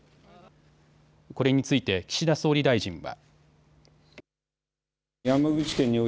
これについて岸田総理大臣は。